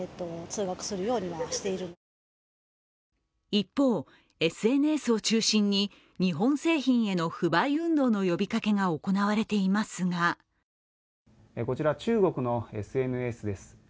一方、ＳＮＳを中心に日本製品への不買運動の呼びかけが行われていますがこちら中国のＳＮＳです。